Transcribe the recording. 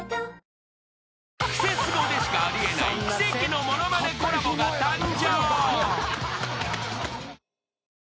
［『クセスゴ』でしかあり得ない奇跡のものまねコラボが誕生］